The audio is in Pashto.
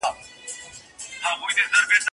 ما چي ټانګونه په سوکونو وهل